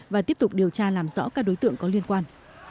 và tiếp tục điều tra làm rõ các đối tượng có liên quan